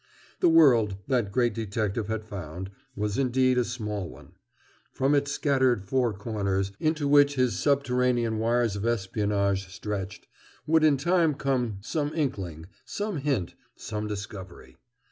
The world, that great detective had found, was indeed a small one. From its scattered four corners, into which his subterranean wires of espionage stretched, would in time come some inkling, some hint, some discovery.